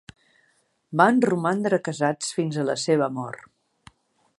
Van romandre casats fins a la seva mort.